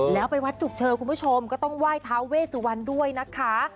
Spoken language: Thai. แล้วไปวัดจุกเชอคุณผู้ชมก็ต้องไหว้ท้าเวสุวรรณด้วยนะคะ